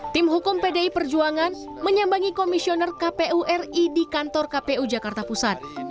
tim hukum pdi perjuangan menyambangi komisioner kpu ri di kantor kpu jakarta pusat